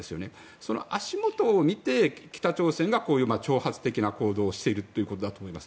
その足元を見て北朝鮮がこういう挑発的な行動をしているということだと思います。